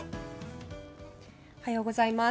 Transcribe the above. おはようございます。